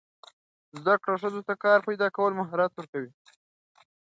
زده کړه ښځو ته د کار پیدا کولو مهارت ورکوي.